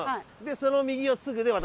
その右をすぐで私。